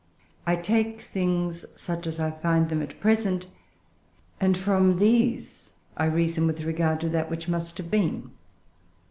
I take things such as I find them at present; and from these I reason with regard to that which must have been."